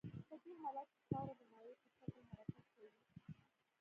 په دې حالت کې خاوره د مایع په شکل حرکت کوي